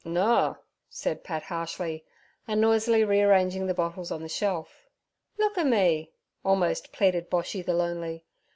'Noa' said Pat harshly, and noisily rearranging the bottles on the shelf. 'Look at me' almost pleaded Boshy the lonely.